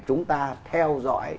chúng ta theo dõi